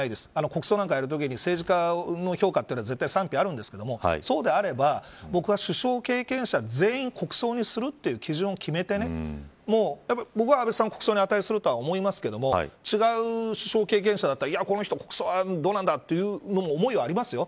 国葬か何かやるときに政治家の評価は絶対賛否あるんですがそうであれば僕は、首相経験者、全員国葬にするという基準を決めて僕は、安倍さんは国葬に値すると思いますが違う首相経験者だったらこの人は国葬はどうなんだという思いはありますよ。